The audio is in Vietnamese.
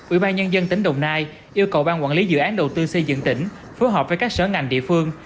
ủy ban nhân dân tỉnh đồng nai yêu cầu ban quản lý dự án đầu tư xây dựng tỉnh phối hợp với các sở ngành địa phương